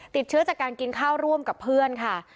ติดเชื้อจากการกินข้าวร่วมกับเพื่อนค่ะ